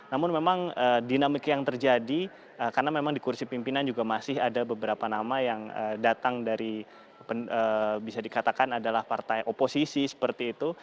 namun memang dinamik yang terjadi karena memang di kursi pimpinan juga masih ada beberapa nama yang datang dari bisa dikatakan adalah partai oposisi seperti itu